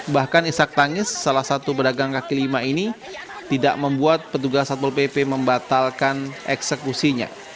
bahkan isak tangis salah satu pedagang kaki lima ini tidak membuat petugas satpol pp membatalkan eksekusinya